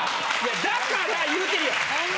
だから言うてるやん。